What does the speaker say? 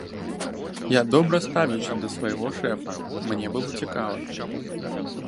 Я добра ставіўся да свайго шэфа, мне было цікава.